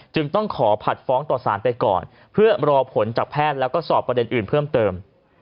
จึงต้องขอผัดฟ้องต่อสารไปก่อนเพื่อรอผลจากแพทย์แล้วก็สอบประเด็นอื่นเพิ่มเติม